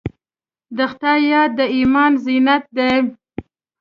د خدای یاد د ایمان زینت دی.